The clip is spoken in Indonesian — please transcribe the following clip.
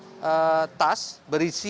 nah ini kemudian yang masih di dalam hipotesis